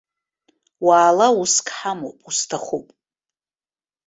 Уаала, уск ҳамоуп, усҭахуп.